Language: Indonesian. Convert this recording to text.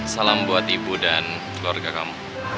salam buat ibu dan keluarga kamu